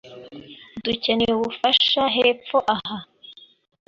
Dukeneye ubufasha hepfo aha .